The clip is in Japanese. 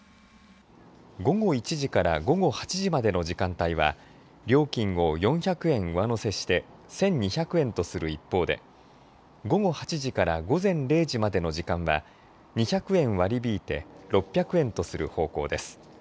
午後１時から午後８時までの時間帯は料金を４００円上乗せして１２００円とする一方で午後８時から午前０時までの時間は２００円割り引いて６００円とする方向です。